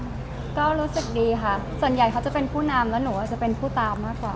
ก็รู้สึกดีค่ะส่วนใหญ่เขาจะเป็นผู้นำแล้วหนูอาจจะเป็นผู้ตามมากกว่า